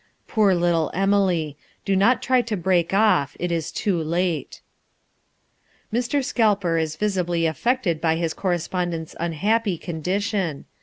Poor little Emily! Do not try to break off; it is too late." Mr. Scalper is visibly affected by his correspondent's unhappy condition.